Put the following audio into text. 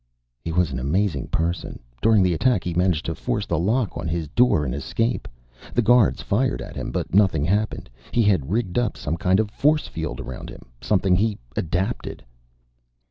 "He was an amazing person. During the attack he managed to force the lock on his door and escape. The guards fired at him, but nothing happened. He had rigged up some kind of force field around him. Something he adapted."